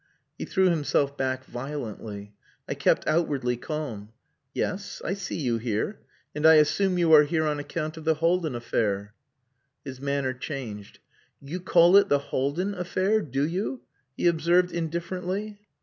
He threw himself back violently. I kept outwardly calm. "Yes, I see you here; and I assume you are here on account of the Haldin affair?" His manner changed. "You call it the Haldin affair do you?" he observed indifferently.